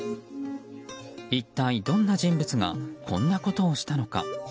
一体どんな人物がこんなことをしたのか。